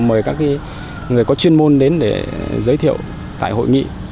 mời các người có chuyên môn đến để giới thiệu tại hội nghị